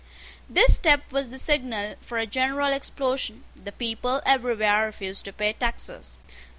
This step was the signal for a general explosion. The people everywhere refused to pay taxes.